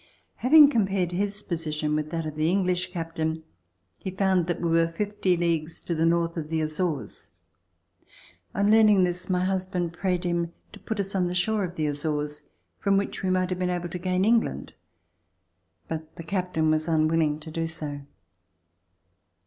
Having compared his position with that of the English captain, he found that we were fifty leagues to the north of the Azores. On learning this, my husband prayed him to put us on the shore of the Azores, from which we might have been able to gain England, but the captain was unwilling to do so.